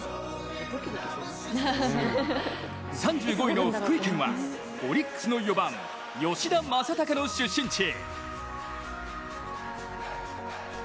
３５位の福井県は、オリックスの４番・吉田正尚の出身地。